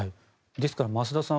ですから、増田さん